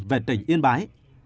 về tỉnh yên bái